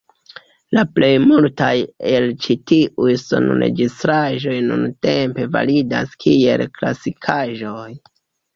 La plej multaj el ĉi tiuj sonregistraĵoj nuntempe validas kiel klasikaĵoj.